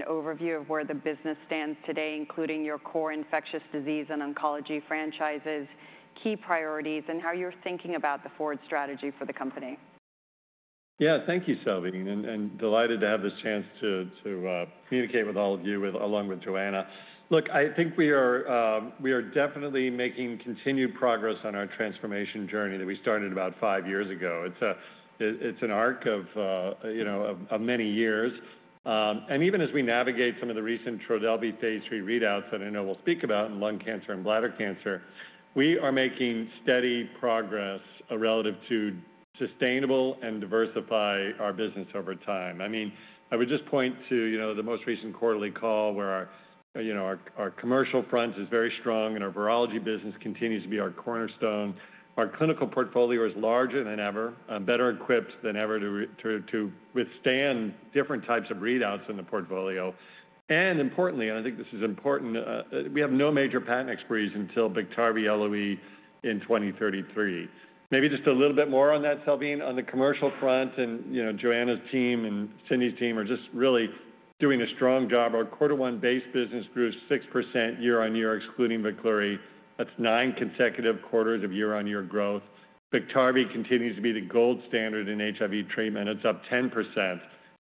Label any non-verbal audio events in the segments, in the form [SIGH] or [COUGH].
An overview of where the business stands today, including your core infectious disease and oncology franchises, key priorities, and how you're thinking about the forward strategy for the company. Yeah, thank you, Salveen, and delighted to have this chance to communicate with all of you, along with Johanna. Look, I think we are definitely making continued progress on our transformation journey that we started about five years ago. It's an arc of you know of many years. And even as we navigate some of the recent Trodelvy phase III readouts, that I know we'll speak about in lung cancer and bladder cancer, we are making steady progress relative to sustainable and diversify our business over time. I mean, I would just point to you know the most recent quarterly call, where our commercial front is very strong and our virology business continues to be our cornerstone. Our clinical portfolio is larger than ever, better equipped than ever to withstand different types of readouts in the portfolio. And importantly, and I think this is important, we have no major patent expiries until Biktarvy LOE in 2033. Maybe just a little bit more on that, Salveen. On the commercial front and, you know, Johanna's team and Cindy's team are just really doing a strong job. Our quarter one base business grew 6% year-on-year, excluding Veklury. That's 9 consecutive quarters of year-on-year growth. Biktarvy continues to be the gold standard in HIV treatment. It's up 10%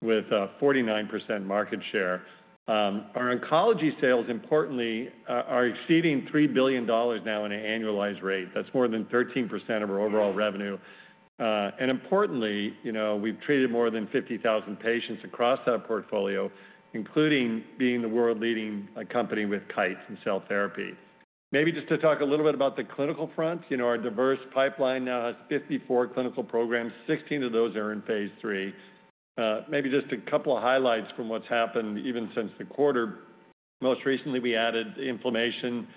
with 49% market share. Our oncology sales, importantly, are exceeding $3 billion now in an annualized rate. That's more than 13% of our overall revenue. And importantly, you know, we've treated more than 50,000 patients across that portfolio, including being the world-leading company with Kite and cell therapy. Maybe just to talk a little bit about the clinical front. You know, our diverse pipeline now has 54 clinical programs, 16 of those are in phase III. Maybe just a couple of highlights from what's happened even since the quarter. Most recently, we added inflammation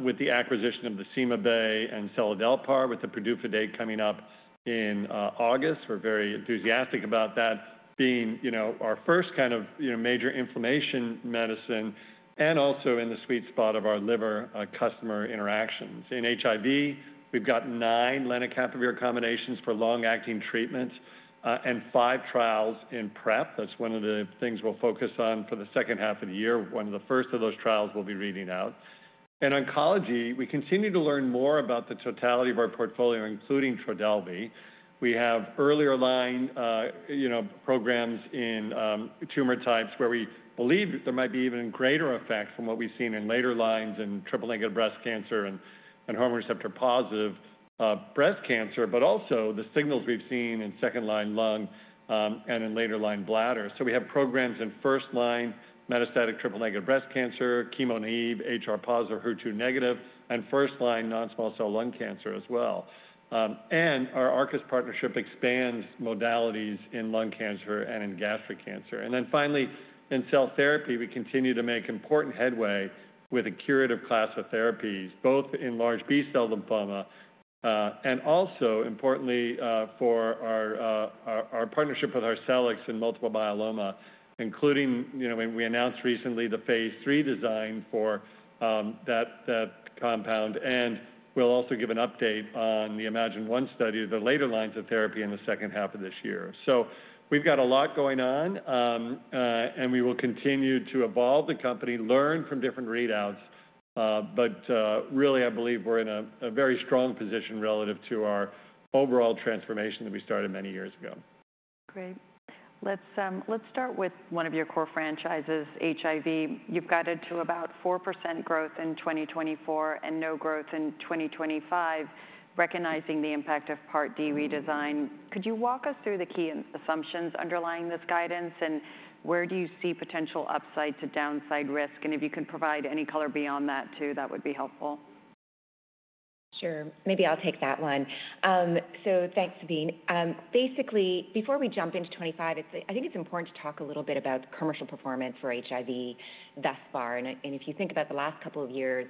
with the acquisition of the CymaBay and seladelpar, with the PDUFA date coming up in August. We're very enthusiastic about that being, you know, our first kind of, you know, major inflammation medicine and also in the sweet spot of our liver customer interactions. In HIV, we've got nine lenacapavir combinations for long-acting treatments and five trials in PrEP. That's one of the things we'll focus on for the second half of the year. One of the first of those trials will be reading out. In oncology, we continue to learn more about the totality of our portfolio, including Trodelvy. We have earlier line, you know, programs in tumor types where we believe there might be even greater effects from what we've seen in later lines in triple-negative breast cancer and, and hormone receptor-positive, breast cancer, but also the signals we've seen in second-line lung, and in later-line bladder. So we have programs in first-line metastatic triple-negative breast cancer, chemo-naive, HR+ or HER2-negative, and first-line non-small cell lung cancer as well. And our Arcus partnership expands modalities in lung cancer and in gastric cancer. And then finally, in cell therapy, we continue to make important headway with a curative class of therapies, both in large B-cell lymphoma and also importantly for our partnership with Arcellx in multiple myeloma, including, you know, when we announced recently the phase III design for that compound. And we'll also give an update on the iMMagine-1 study, the later lines of therapy in the second half of this year. So we've got a lot going on, and we will continue to evolve the company, learn from different readouts, but really, I believe we're in a very strong position relative to our overall transformation that we started many years ago. Great. Let's, let's start with one of your core franchises, HIV. You've guided to about 4% growth in 2024 and no growth in 2025, recognizing the impact of Part D redesign. Could you walk us through the key assumptions underlying this guidance, and where do you see potential upside to downside risk? And if you could provide any color beyond that too, that would be helpful. Sure. Maybe I'll take that one. So thanks, Salveen. Basically, before we jump into 2025, it's, I think, important to talk a little bit about commercial performance for HIV thus far, and if you think about the last couple of years,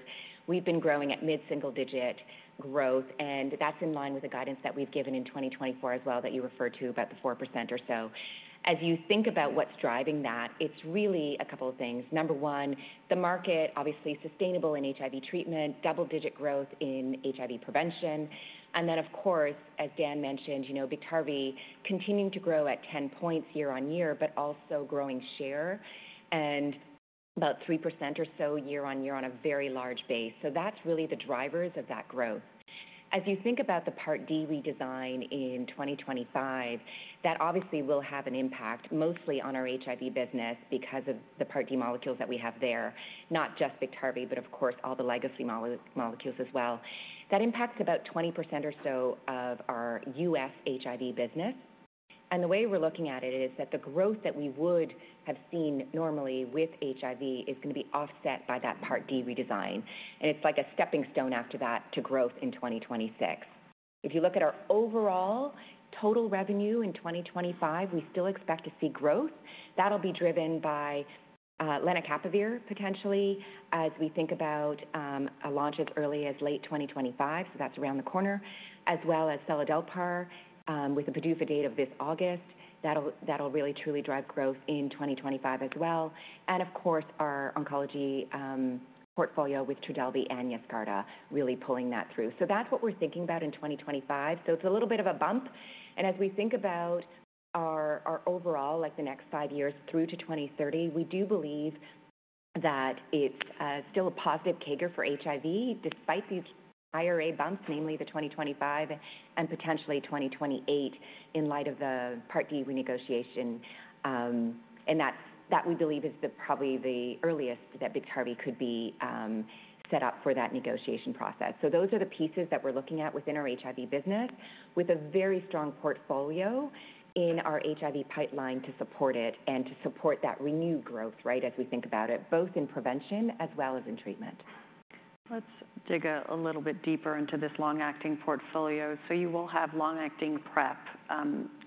we've been growing at mid-single-digit growth, and that's in line with the guidance that we've given in 2024 as well, that you referred to about the 4% or so. As you think about what's driving that, it's really a couple of things. Number one, the market obviously sustainable in HIV treatment, double-digit growth in HIV prevention, and then of course, as Dan mentioned, you know, Biktarvy continuing to grow at 10 points year on year, but also growing share and about 3% or so year on year on a very large base. So that's really the drivers of that growth. As you think about the Part D redesign in 2025, that obviously will have an impact mostly on our HIV business because of the Part D molecules that we have there, not just Biktarvy, but of course, all the legacy molecules as well. That impacts about 20% or so of our U.S. HIV business, and the way we're looking at it is that the growth that we would have seen normally with HIV is gonna be offset by that Part D redesign, and it's like a stepping stone after that to growth in 2026. If you look at our overall total revenue in 2025, we still expect to see growth. That'll be driven by lenacapavir, potentially, as we think about a launch as early as late 2025, so that's around the corner, as well as seladelpar with a PDUFA date of this August. That'll, that'll really truly drive growth in 2025 as well. And of course, our oncology portfolio with Trodelvy and Yescarta really pulling that through. So that's what we're thinking about in 2025. So it's a little bit of a bump, and as we think about our overall, like the next five years through to 2030, we do believe that it's still a positive CAGR for HIV, despite these IRA bumps, mainly the 2025 and potentially 2028, in light of the Part D renegotiation. And that we believe is probably the earliest that Biktarvy could be set up for that negotiation process. So those are the pieces that we're looking at within our HIV business, with a very strong portfolio in our HIV pipeline to support it and to support that renewed growth, right? As we think about it, both in prevention as well as in treatment. Let's dig a little bit deeper into this long-acting portfolio. So you will have long-acting PrEP,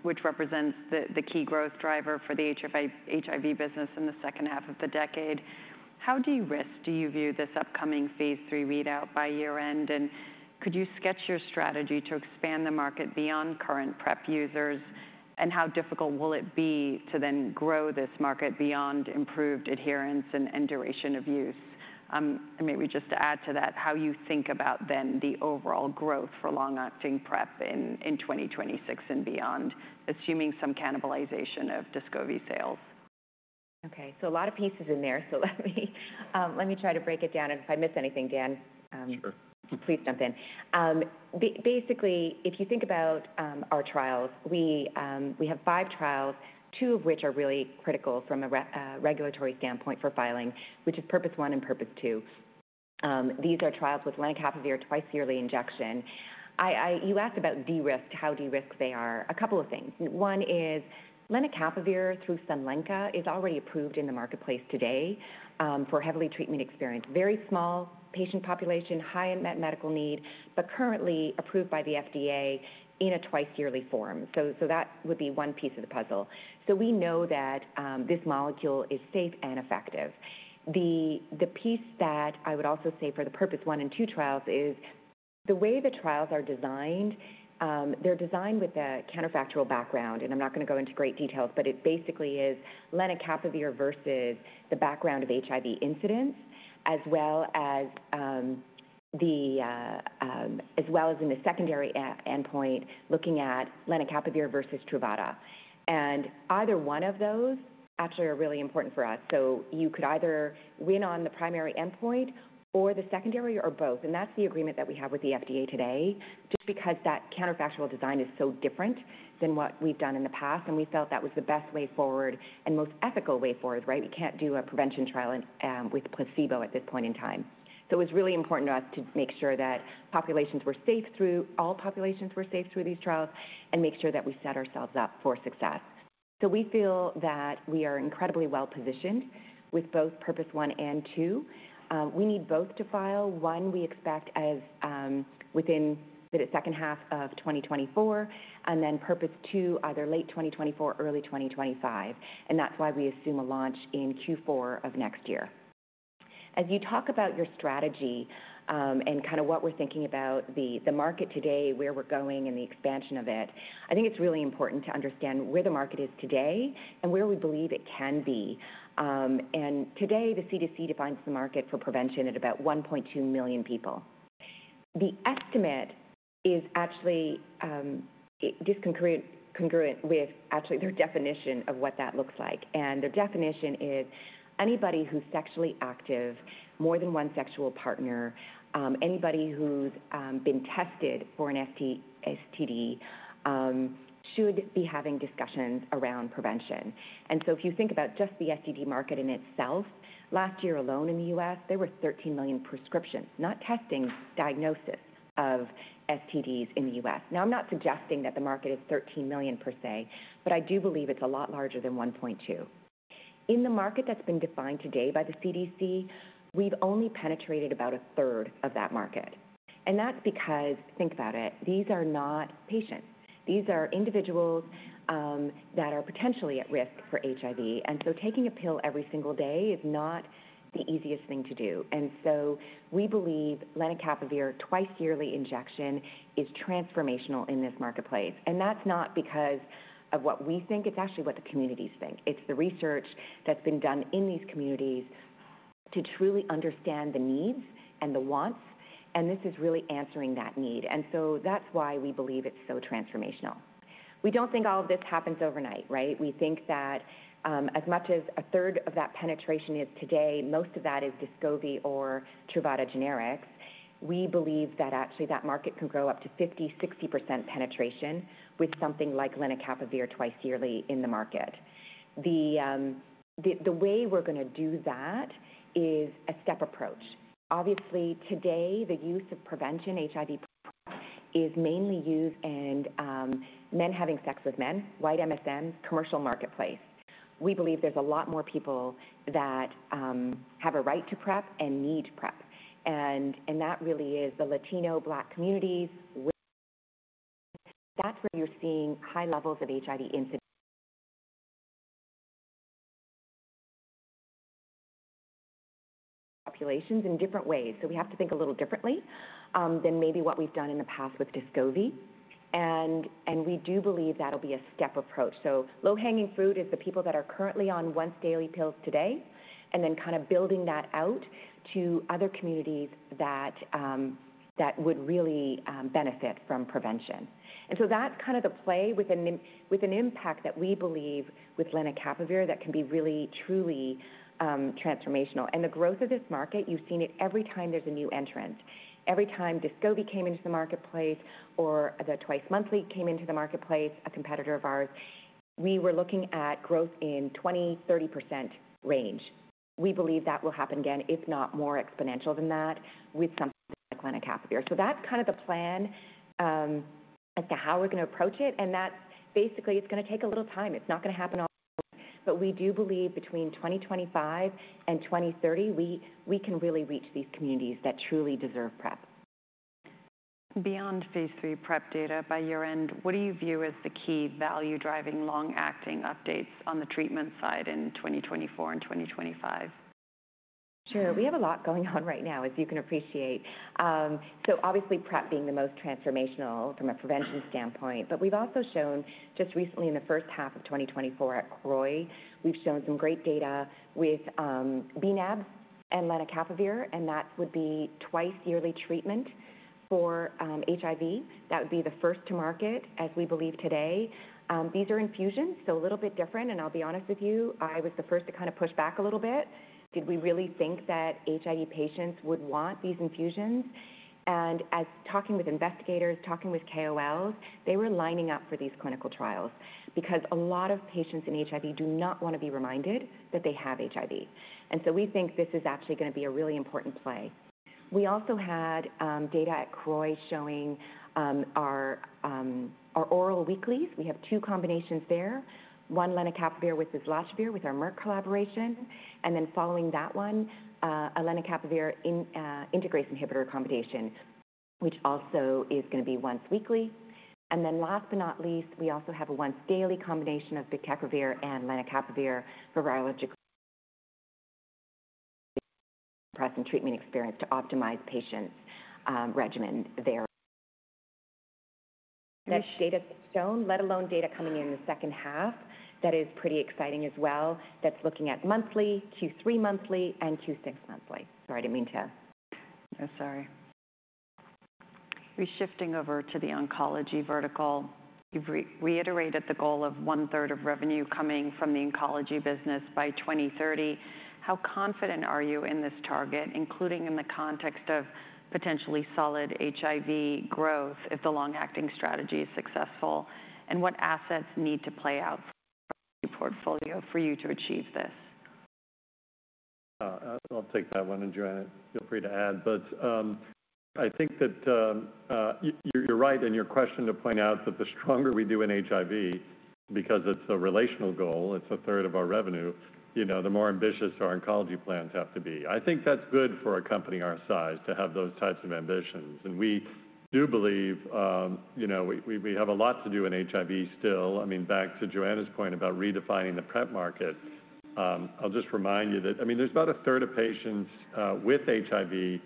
which represents the key growth driver for the HIV business in the second half of the decade. How do you view this upcoming Phase III readout by year-end? And could you sketch your strategy to expand the market beyond current PrEP users? And how difficult will it be to then grow this market beyond improved adherence and duration of use? And maybe just to add to that, how you think about then the overall growth for long-acting PrEP in 2026 and beyond, assuming some cannibalization of Descovy sales. Okay, so a lot of pieces in there. So let me, let me try to break it down, and if I miss anything, Dan. Sure. Please jump in. Basically, if you think about our trials, we have five trials, two of which are really critical from a regulatory standpoint for filing, which is PURPOSE 1 and PURPOSE 2. These are trials with lenacapavir twice-yearly injection. You asked about de-risk, how de-risk they are. A couple of things. One is lenacapavir through Sunlenca is already approved in the marketplace today for heavily treatment-experienced, very small patient population, high in medical need, but currently approved by the FDA in a twice-yearly form. So that would be one piece of the puzzle. So we know that this molecule is safe and effective. The piece that I would also say for the PURPOSE 1 and 2 trials is the way the trials are designed. They're designed with a counterfactual background, and I'm not going to go into great details, but it basically is lenacapavir versus the background of HIV incidence as well as as well as in the secondary endpoint, looking at lenacapavir versus Truvada. And either one of those actually are really important for us. So you could either win on the primary endpoint or the secondary, or both, and that's the agreement that we have with the FDA today, just because that counterfactual design is so different than what we've done in the past, and we felt that was the best way forward and most ethical way forward, right? We can't do a prevention trial and with placebo at this point in time. So it was really important to us to make sure that all populations were safe through these trials and make sure that we set ourselves up for success. So we feel that we are incredibly well-positioned with both PURPOSE 1 and 2. We need both to file. One, we expect as within the second half of 2024, and then PURPOSE 2, either late 2024, early 2025, and that's why we assume a launch in Q4 of next year. As you talk about your strategy, and kind of what we're thinking about the market today, where we're going and the expansion of it, I think it's really important to understand where the market is today and where we believe it can be. And today, the CDC defines the market for prevention at about 1.2 million people. The estimate is actually congruent with their definition of what that looks like. Their definition is anybody who's sexually active, more than one sexual partner, anybody who's been tested for an STD, should be having discussions around prevention. So if you think about just the STD market in itself, last year alone in the U.S., there were 13 million prescriptions, not testing, diagnosis of STDs in the U.S. Now, I'm not suggesting that the market is 13 million per se, but I do believe it's a lot larger than 1.2. In the market that's been defined today by the CDC, we've only penetrated about 1/3of that market, and that's because, think about it, these are not patients. These are individuals, that are potentially at risk for HIV, and so taking a pill every single day is not the easiest thing to do. And so we believe lenacapavir twice-yearly injection is transformational in this marketplace. And that's not because of what we think, it's actually what the communities think. It's the research that's been done in these communities to truly understand the needs and the wants, and this is really answering that need. And so that's why we believe it's so transformational. We don't think all of this happens overnight, right? We think that, as much as a third of that penetration is today, most of that is Descovy or Truvada generics. We believe that actually that market can grow up to 50%-60% penetration with something like lenacapavir twice yearly in the market. The way we're going to do that is a step approach. Obviously, today, the use of prevention, HIV PrEP, is mainly used in men having sex with men, white MSM, commercial marketplace. We believe there's a lot more people that have a right to PrEP and need PrEP, and that really is the Latino, Black communities, with. That's where you're seeing high levels of HIV incidence. [AUDIO DISTORTION] Populations in different ways. So we have to think a little differently than maybe what we've done in the past with Descovy. And we do believe that'll be a step approach. So low-hanging fruit is the people that are currently on once-daily pills today, and then kind of building that out to other communities that would really benefit from prevention. So that's kind of the play with an impact that we believe with lenacapavir that can be really, truly, transformational. The growth of this market, you've seen it every time there's a new entrant. Every time Descovy came into the marketplace or the twice-monthly came into the marketplace, a competitor of ours, we were looking at growth in 20%-30% range. We believe that will happen again, if not more exponential than that, with something like lenacapavir. So that's kind of the plan as to how we're going to approach it, and that's basically, it's going to take a little time. It's not going to happen all but we do believe between 2025 and 2030, we can really reach these communities that truly deserve PrEP. Beyond phase III PrEP data by year-end, what do you view as the key value-driving, long-acting updates on the treatment side in 2024 and 2025? Sure. We have a lot going on right now, as you can appreciate. So obviously, PrEP being the most transformational from a prevention standpoint. But we've also shown just recently, in the first half of 2024 at CROI, we've shown some great data with bNAb and lenacapavir, and that would be twice-yearly treatment for HIV. That would be the first to market, as we believe today. These are infusions, so a little bit different, and I'll be honest with you, I was the first to kind of push back a little bit. Did we really think that HIV patients would want these infusions? And as talking with investigators, talking with KOLs, they were lining up for these clinical trials because a lot of patients in HIV do not want to be reminded that they have HIV. So we think this is actually going to be a really important play. We also had data at CROI showing our oral weeklies. We have two combinations there. One, lenacapavir with islatravir, with our Merck collaboration, and then following that one, a lenacapavir integrase inhibitor combination, which also is going to be once weekly. And then last but not least, we also have a once-daily combination of bictegravir and lenacapavir for virologically [AUDIO DISTORTION] PrEP and treatment experience to optimize patients' regimen there. That data shown, let alone data coming in the second half, that is pretty exciting as well. That's looking at monthly, Q3 monthly, and Q6 monthly. Sorry, I didn't mean to. No, sorry. Reshifting over to the oncology vertical, you've reiterated the goal of 1/3 of revenue coming from the oncology business by 2030. How confident are you in this target, including in the context of potentially solid HIV growth, if the long-acting strategy is successful, and what assets need to play out in the portfolio for you to achieve this? I'll take that one, and Johanna, feel free to add. But, I think that, you're right in your question to point out that the stronger we do in HIV, because it's a revenue goal, it's 1/3 of our revenue, you know, the more ambitious our oncology plans have to be. I think that's good for a company our size to have those types of ambitions, and we do believe, you know, we have a lot to do in HIV still. I mean, back to Johanna's point about redefining the PrEP market, I'll just remind you that, I mean, there's about 1/3 of patients with HIV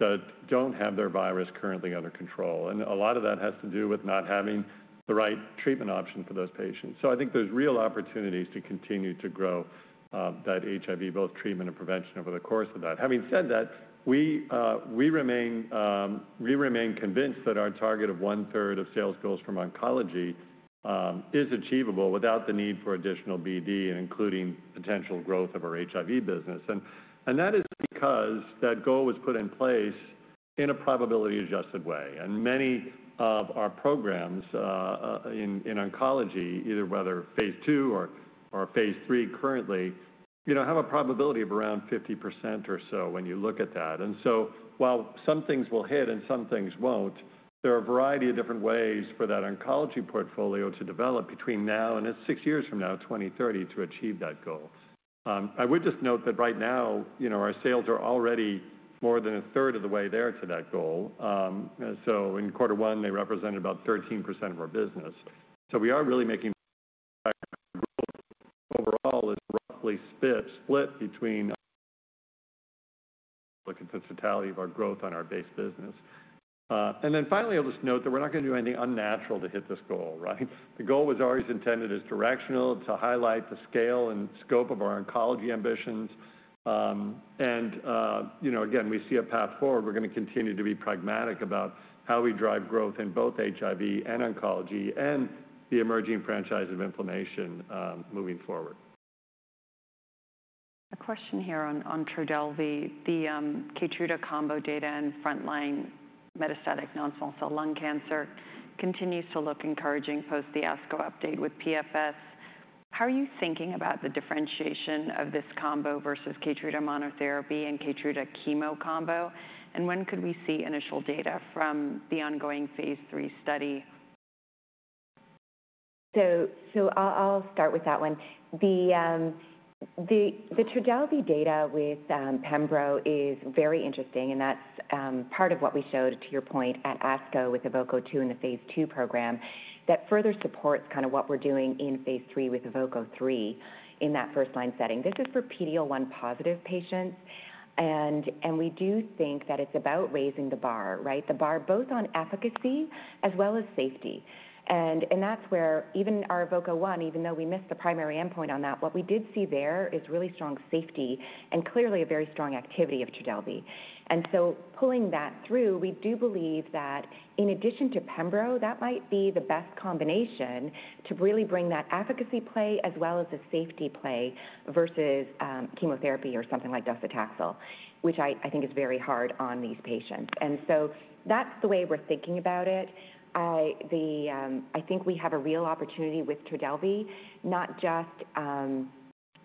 that don't have their virus currently under control, and a lot of that has to do with not having the right treatment option for those patients. So I think there's real opportunities to continue to grow that HIV, both treatment and prevention, over the course of that. Having said that, we remain, we remain convinced that our target of 1/3 of sales goals from oncology is achievable without the need for additional BD and including potential growth of our HIV business. And that is because that goal was put in place in a probability-adjusted way. And many of our programs in oncology, either whether phase II or phase III currently, you know, have a probability of around 50% or so when you look at that. And so while some things will hit and some things won't, there are a variety of different ways for that oncology portfolio to develop between now and it's six years from now, 2030, to achieve that goal. I would just note that right now, you know, our sales are already more than 1/3 of the way there to that goal. So in quarter one, they represented about 13% of our business. So we are really making [AUDIO DISTORTION] Overall, it's roughly split, split between [AUDIO DISTORTION] the totality of our growth on our base business. And then finally, I'll just note that we're not going to do anything unnatural to hit this goal, right? The goal was always intended as directional, to highlight the scale and scope of our oncology ambitions. And, you know, again, we see a path forward. We're going to continue to be pragmatic about how we drive growth in both HIV and oncology, and the emerging franchise of inflammation, moving forward. A question here on Trodelvy. The Keytruda combo data and frontline metastatic non-small cell lung cancer continues to look encouraging post the ASCO update with PFS. How are you thinking about the differentiation of this combo versus Keytruda monotherapy and Keytruda chemo combo? And when could we see initial data from the ongoing phase three study? So I'll start with that one. The Trodelvy data with pembro is very interesting, and that's part of what we showed, to your point, at ASCO with EVOKE-02 in the phase II program, that further supports kind of what we're doing in phase III with EVOKE-03 in that first-line setting. This is for PD-L1 positive patients, and we do think that it's about raising the bar, right? The bar both on efficacy as well as safety. And that's where even our EVOKE-01, even though we missed the primary endpoint on that, what we did see there is really strong safety and clearly a very strong activity of Trodelvy. And so pulling that through, we do believe that in addition to pembro, that might be the best combination to really bring that efficacy play as well as the safety play versus chemotherapy or something like docetaxel, which I think is very hard on these patients. And so that's the way we're thinking about it. I think we have a real opportunity with Trodelvy, not just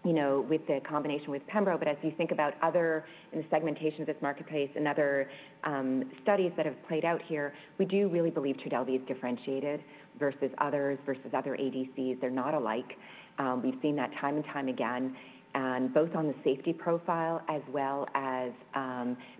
you know, with the combination with pembro, but as you think about other segmentations of this marketplace and other studies that have played out here, we do really believe Trodelvy is differentiated versus others, versus other ADCs. They're not alike. We've seen that time and time again, and both on the safety profile as well as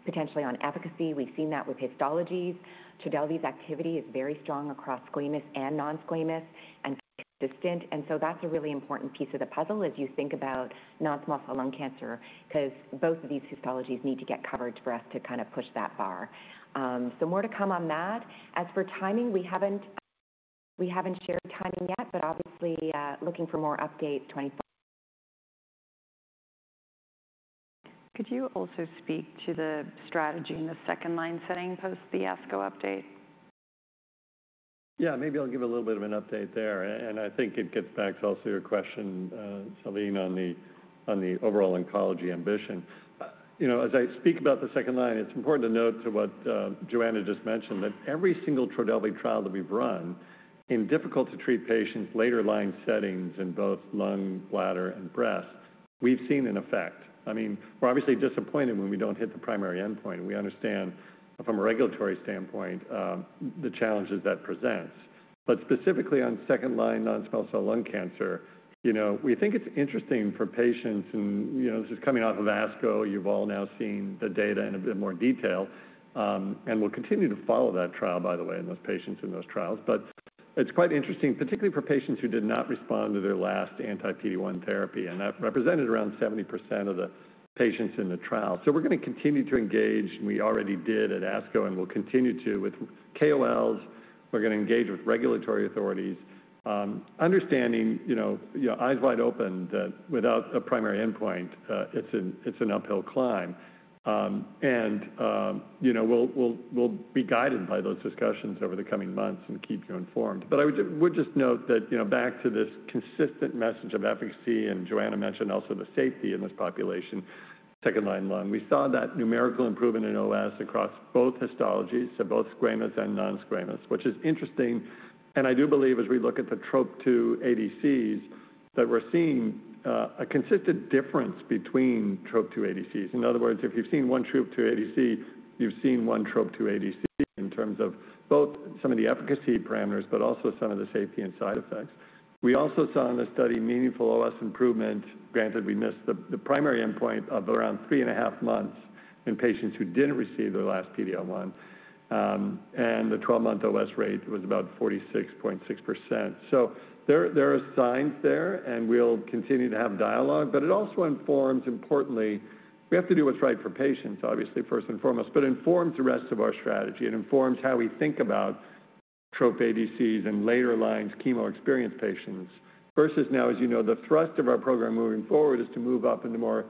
potentially on efficacy. We've seen that with histologies. Trodelvy's activity is very strong across squamous and non-squamous and distant, and so that's a really important piece of the puzzle as you think about non-small cell lung cancer, 'cause both of these histologies need to get coverage for us to kind of push that bar. More to come on that. As for timing, we haven't shared timing yet, but obviously, looking for more updates twenty [AUDIO DISTORTION] Could you also speak to the strategy in the second line setting post the ASCO update? Yeah, maybe I'll give a little bit of an update there, and I think it gets back to also your question, Salveen, on the overall oncology ambition. You know, as I speak about the second line, it's important to note to what Johanna just mentioned, that every single Trodelvy trial that we've run in difficult to treat patients, later line settings in both lung, bladder, and breast, we've seen an effect. I mean, we're obviously disappointed when we don't hit the primary endpoint, and we understand from a regulatory standpoint, the challenges that presents. But specifically on second-line non-small cell lung cancer, you know, we think it's interesting for patients who, you know, this is coming out of ASCO, you've all now seen the data in a bit more detail. We'll continue to follow that trial, by the way, and those patients in those trials. But it's quite interesting, particularly for patients who did not respond to their last anti-PD-1 therapy, and that represented around 70% of the patients in the trial. So we're gonna continue to engage, and we already did at ASCO, and we'll continue to with KOLs. We're gonna engage with regulatory authorities, understanding, you know, eyes wide open, that without a primary endpoint, it's an uphill climb. You know, we'll be guided by those discussions over the coming months and keep you informed. But I would just note that, you know, back to this consistent message of efficacy, and Johanna mentioned also the safety in this population, second-line lung. We saw that numerical improvement in OS across both histologies, so both squamous and non-squamous, which is interesting. I do believe, as we look at the Trop-2 ADCs, that we're seeing a consistent difference between Trop-2 ADCs. In other words, if you've seen one Trop-2 ADC, you've seen one Trop-2 ADC in terms of both some of the efficacy parameters, but also some of the safety and side effects. We also saw in the study meaningful OS improvement. Granted, we missed the primary endpoint of around 3.5 months in patients who didn't receive their last PD-L1, and the 12-month OS rate was about 46.6%. So there are signs there, and we'll continue to have dialogue, but it also informs, importantly, we have to do what's right for patients, obviously, first and foremost, but informs the rest of our strategy. It informs how we think about Trop-2 ADCs in later lines, chemo-experienced patients, versus now, as you know, the thrust of our program moving forward is to move up into more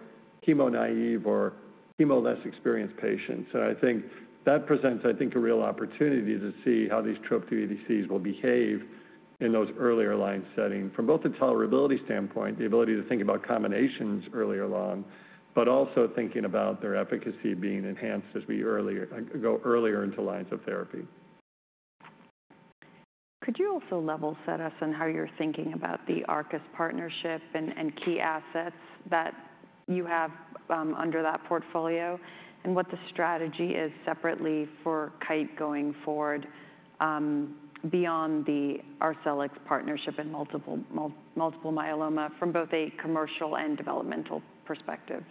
chemo-naive or chemo-less experienced patients. So I think that presents, I think, a real opportunity to see how these Trop-2 ADCs will behave in those earlier line settings, from both the tolerability standpoint, the ability to think about combinations earlier on, but also thinking about their efficacy being enhanced as we earlier go earlier into lines of therapy. Could you also level set us on how you're thinking about the Arcus partnership and key assets that you have under that portfolio, and what the strategy is separately for Kite going forward, beyond the Arcellx partnership in multiple myeloma from both a commercial and developmental perspective?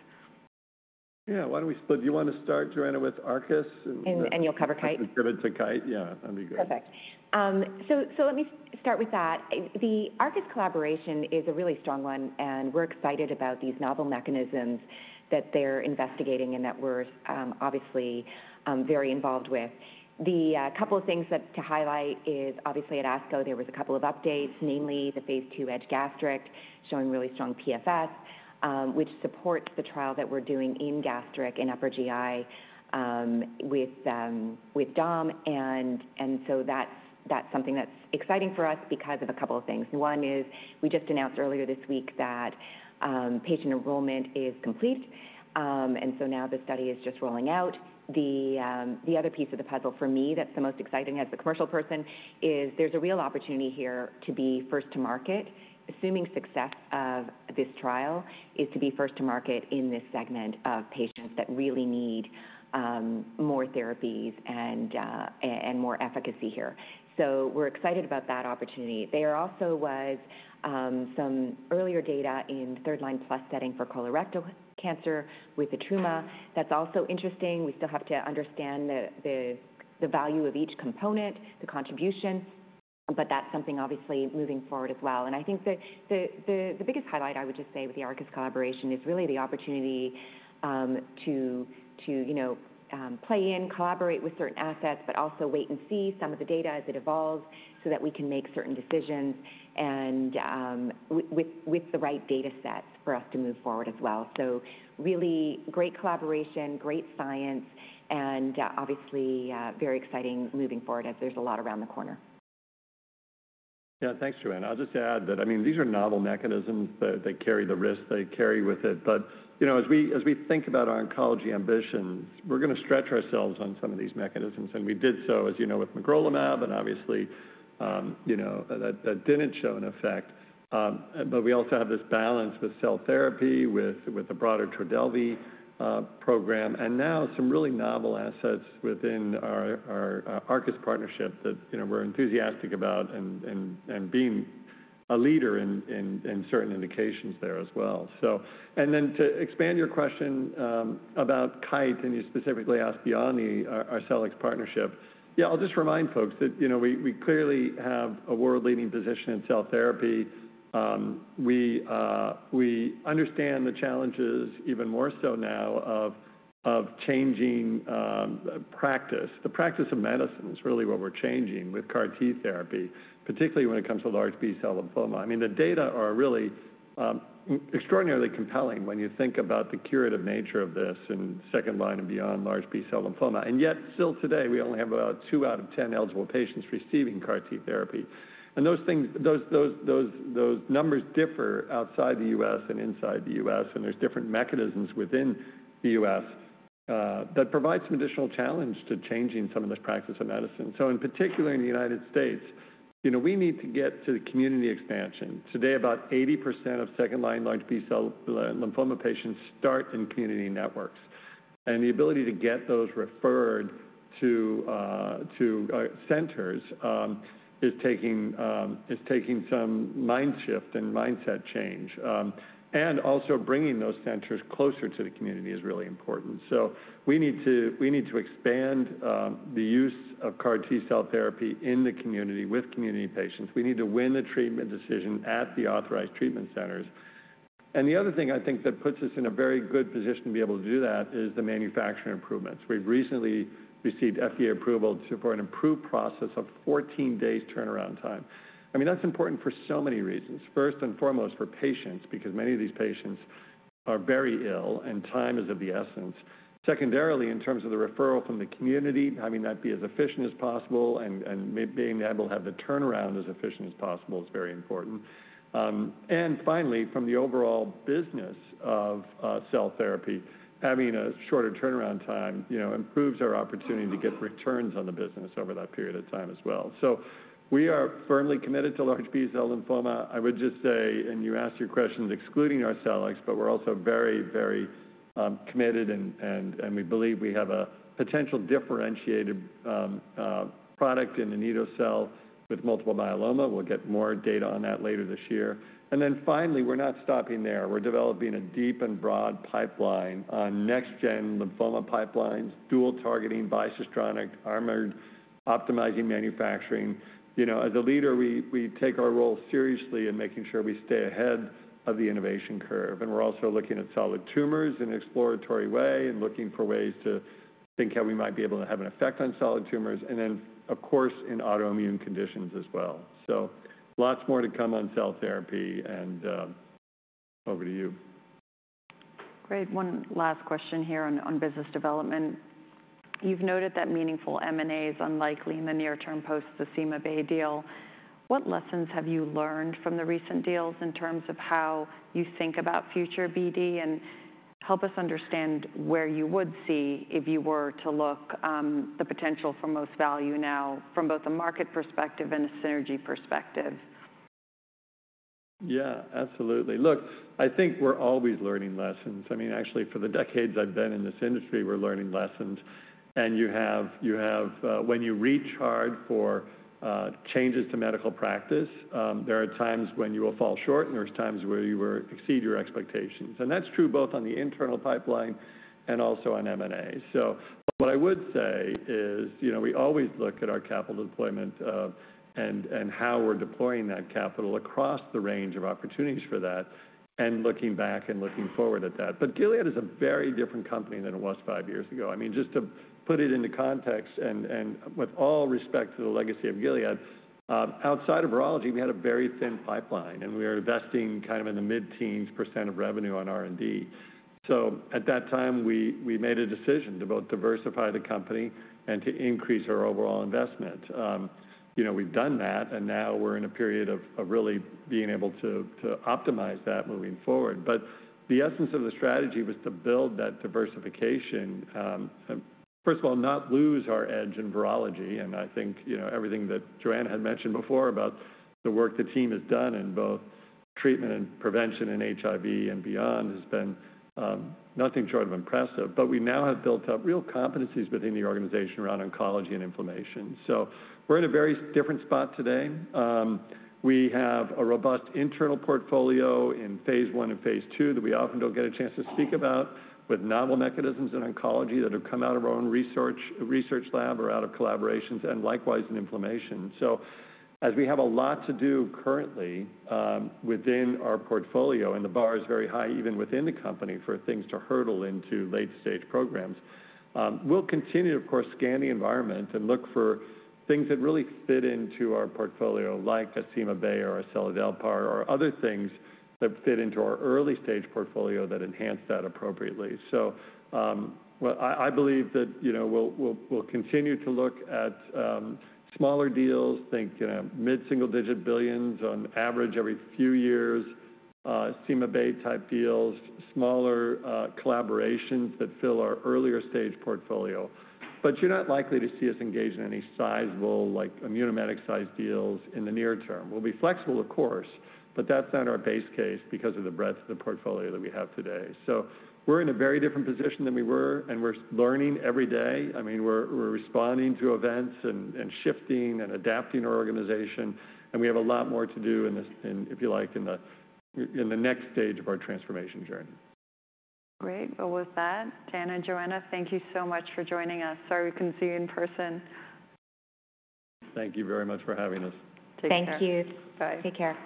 Yeah. Why don't we split? Do you want to start, Johanna, with Arcus. And you'll cover Kite? And give it to Kite? Yeah, that'd be good. Perfect. Let me start with that. The Arcus collaboration is a really strong one, and we're excited about these novel mechanisms that they're investigating and that we're obviously very involved with. The couple of things to highlight is obviously at ASCO, there was a couple of updates, namely the phase II gastric, showing really strong PFS, which supports the trial that we're doing in gastric, in upper GI, with dom. And so that's something that's exciting for us because of a couple of things. One is, we just announced earlier this week that patient enrollment is complete, and so now the study is just rolling out. The other piece of the puzzle for me that's the most exciting as a commercial person is there's a real opportunity here to be first to market. Assuming success of this trial is to be first to market in this segment of patients that really need more therapies and more efficacy here. So we're excited about that opportunity. There also was some earlier data in third line plus setting for colorectal cancer with etruma. That's also interesting. We still have to understand the value of each component, the contribution, but that's something obviously moving forward as well. I think the biggest highlight, I would just say, with the Arcus collaboration is really the opportunity to you know play and collaborate with certain assets, but also wait and see some of the data as it evolves so that we can make certain decisions, and with the right data sets for us to move forward as well. So really great collaboration, great science, and obviously very exciting moving forward as there's a lot around the corner. Yeah, thanks, Johanna. I'll just add that, I mean, these are novel mechanisms that they carry the risk they carry with it. But, you know, as we think about our oncology ambitions, we're gonna stretch ourselves on some of these mechanisms, and we did so, as you know, with magrolimab, and obviously, you know, that didn't show an effect. But we also have this balance with cell therapy, with the broader Trodelvy program, and now some really novel assets within our Arcus partnership that, you know, we're enthusiastic about and being a leader in certain indications there as well. So, and then to expand your question, about Kite, and you specifically asked beyond our Arcellx partnership. Yeah, I'll just remind folks that, you know, we clearly have a world-leading position in cell therapy. We understand the challenges even more so now of changing practice. The practice of medicine is really what we're changing with CAR T therapy, particularly when it comes to large B-cell lymphoma. I mean, the data are really extraordinarily compelling when you think about the curative nature of this in second line and beyond large B-cell lymphoma. And yet still today, we only have about 2 out of 10 eligible patients receiving CAR T therapy. And those numbers differ outside the U.S. and inside the U.S., and there's different mechanisms within the U.S. that provide some additional challenge to changing some of this practice of medicine. So in particular, in the United States, you know, we need to get to the community expansion. Today, about 80% of second-line large B-cell lymphoma patients start in community networks, and the ability to get those referred to centers is taking some mind shift and mindset change. And also bringing those centers closer to the community is really important. So we need to expand the use of CAR T-cell therapy in the community with community patients. We need to win the treatment decision at the authorized treatment centers. And the other thing I think that puts us in a very good position to be able to do that is the manufacturing improvements. We've recently received FDA approval for an improved process of 14 days turnaround time. I mean, that's important for so many reasons. First and foremost, for patients, because many of these patients are very ill and time is of the essence. Secondarily, in terms of the referral from the community, having that be as efficient as possible and being able to have the turnaround as efficient as possible is very important. And finally, from the overall business of cell therapy, having a shorter turnaround time, you know, improves our opportunity to get returns on the business over that period of time as well. So we are firmly committed to large B-cell lymphoma. I would just say, and you asked your questions excluding Arcellx, but we're also very, very committed and we believe we have a potential differentiated product in the anito-cel with multiple myeloma. We'll get more data on that later this year. And then finally, we're not stopping there. We're developing a deep and broad pipeline on next-gen lymphoma pipelines, dual targeting, bispecific, armored, optimizing manufacturing. You know, as a leader, we, we take our role seriously in making sure we stay ahead of the innovation curve. We're also looking at solid tumors in an exploratory way and looking for ways to think how we might be able to have an effect on solid tumors, and then, of course, in autoimmune conditions as well. Lots more to come on cell therapy, and over to you. Great. One last question here on business development. You've noted that meaningful M&A is unlikely in the near term post the CymaBay deal. What lessons have you learned from the recent deals in terms of how you think about future BD? And help us understand where you would see if you were to look the potential for most value now from both a market perspective and a synergy perspective. Yeah, absolutely. Look, I think we're always learning lessons. I mean, actually, for the decades I've been in this industry, we're learning lessons, and you have, you have, when you reach hard for changes to medical practice, there are times when you will fall short, and there's times where you will exceed your expectations. And that's true both on the internal pipeline and also on M&A. So but what I would say is, you know, we always look at our capital deployment, and, and how we're deploying that capital across the range of opportunities for that, and looking back and looking forward at that. But Gilead is a very different company than it was five years ago. I mean, just to put it into context and with all respect to the legacy of Gilead, outside of virology, we had a very thin pipeline, and we were investing kind of in the mid-teens percent of revenue on R&D. So at that time, we made a decision to both diversify the company and to increase our overall investment. You know, we've done that, and now we're in a period of really being able to optimize that moving forward. But the essence of the strategy was to build that diversification, first of all, not lose our edge in virology. And I think, you know, everything that Johanna had mentioned before about the work the team has done in both treatment and prevention in HIV and beyond has been nothing short of impressive. But we now have built up real competencies within the organization around oncology and inflammation. So we're in a very different spot today. We have a robust internal portfolio in phase I and phase II that we often don't get a chance to speak about, with novel mechanisms in oncology that have come out of our own research, research lab or out of collaborations, and likewise in inflammation. So as we have a lot to do currently within our portfolio, and the bar is very high even within the company for things to hurdle into late-stage programs, we'll continue, of course, scan the environment and look for things that really fit into our portfolio, like CymaBay or seladelpar, or other things that fit into our early-stage portfolio that enhance that appropriately. So, well, I believe that, you know, we'll continue to look at smaller deals, think mid-single-digit billions on average every few years, CymaBay-type deals, smaller collaborations that fill our earlier stage portfolio. But you're not likely to see us engage in any sizable, like, Immunomedics-sized deals in the near term. We'll be flexible, of course, but that's not our base case because of the breadth of the portfolio that we have today. So we're in a very different position than we were, and we're learning every day. I mean, we're responding to events and shifting and adapting our organization, and we have a lot more to do in this, if you like, in the next stage of our transformation journey. Great. Well, with that, Dan and Johanna, thank you so much for joining us. Sorry we couldn't see you in person. Thank you very much for having us. Thank you. Bye. Take care.